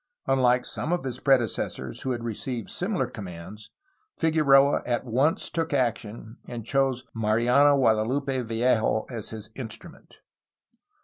Unlike some of his prede cessors who had received similar commands Figueroa at once took action, and chose Mariano Guadalupe Vallejo as his instrument.